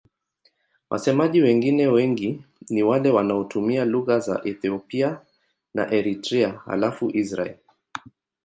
Wasemaji wengine wengi ni wale wanaotumia lugha za Ethiopia na Eritrea halafu Israel.